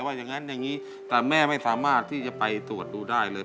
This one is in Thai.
แต่แม่ไม่สามารถที่จะไปตรวจดูได้เลย